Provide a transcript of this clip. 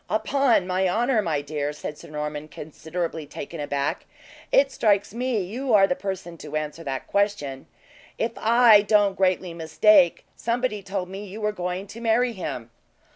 "Upon my honor, my dear," said Sir Norman, considerably taken aback, "it strikes me you are the person to answer that question. If I don't greatly mistake, somebody told me you were going to marry him."